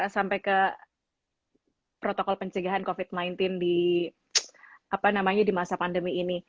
sampai ke protokol pencegahan covid sembilan belas di masa pandemi ini